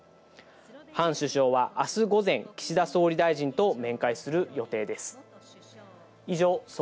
ハン首相はあす午前、岸田総理大臣と面会する予定です。